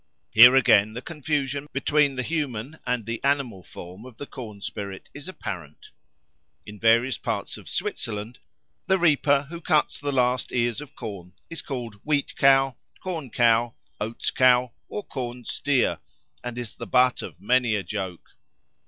Here again the confusion between the human and the animal form of the corn spirit is apparent. In various parts of Switzerland the reaper who cuts the last ears of corn is called Wheat cow, Corn cow, Oats cow, or Corn steer, and is the butt of many a joke.